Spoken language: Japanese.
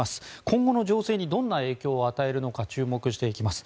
今後の情勢にどんな影響を与えるのか注目していきます。